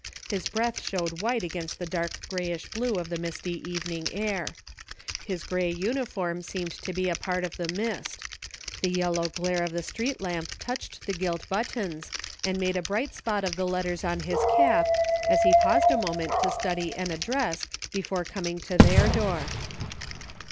His breath showed white against the dark greyish blue of the misty evening air. His grey uniform seemed to be a part of the mist. The yellow glare of the street lamp touched the gilt buttons and made a bright spot of the letters on his cap as he paused a moment to study an address before coming to their door.